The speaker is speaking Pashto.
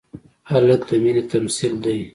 هلک د مینې تمثیل دی.